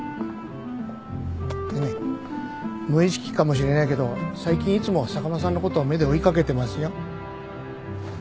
ねえねえ無意識かもしれないけど最近いつも坂間さんのこと目で追い掛けてますよ。